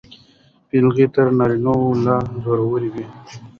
پېغلې تر نارینه و لا زړورې وې.